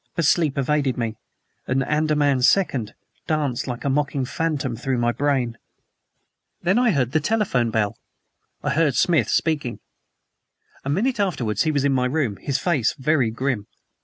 But sleep evaded me, and "ANDAMAN SECOND" danced like a mocking phantom through my brain. Then I heard the telephone bell. I heard Smith speaking. A minute afterwards he was in my room, his face very grim.